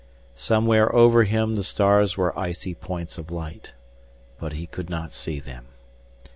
Somewhere over him the stars were icy points of light but he could not see them.